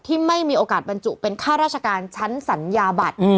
ไม่มีโอกาสบรรจุเป็นค่าราชการชั้นสัญญาบัตร